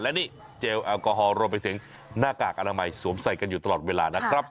และนี่เจลแอลกอฮอลรวมไปถึงหน้ากากอนามัยสวมใส่กันอยู่ตลอดเวลานะครับ